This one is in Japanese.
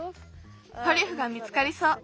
トリュフが見つかりそう。